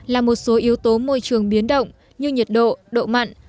là một số yếu tố môi trường biến động như nhiệt độ độ mặn